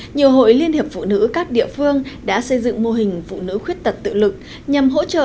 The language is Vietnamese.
nhiều hội liên hiệp phụ nữ các địa phương đã xây dựng mô hình phụ nữ khuyết tật tự lực nhằm hỗ trợ